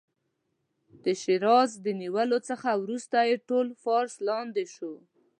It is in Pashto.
د شیراز د نیولو څخه وروسته یې ټول فارس لاندې شو.